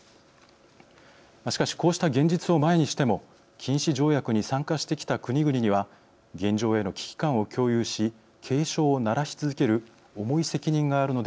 しかしこうした現実を前にしても禁止条約に参加してきた国々には現状への危機感を共有し警鐘を鳴らし続ける重い責任があるのではないでしょうか。